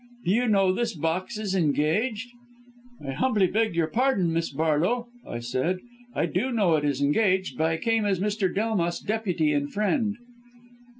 Do you know this box is engaged?' "'I humbly beg your pardon, Miss Barlow,' I said, 'I do know it is engaged, but I came as Mr. Delmas' deputy and friend.'